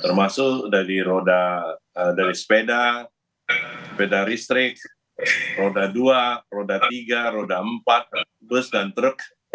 termasuk dari sepeda sepeda listrik roda dua roda tiga roda empat bus dan truk